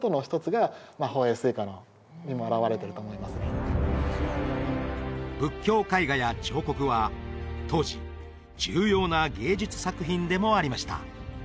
やっぱり仏教絵画や彫刻は当時重要な芸術作品でもありました